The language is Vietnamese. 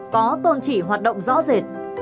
có tôn trị hoạt động rõ rệt